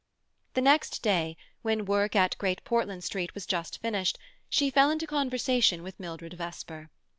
The next day, when work at Great Portland Street was just finished, she fell into conversation with Mildred Vesper.